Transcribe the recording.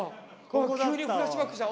急にフラッシュバックした！